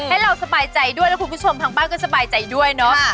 ให้เราสบายใจด้วยแล้วคุณผู้ชมทางบ้านก็สบายใจด้วยเนาะ